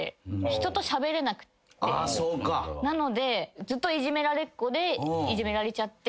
なのでずっといじめられっ子でいじめられちゃって。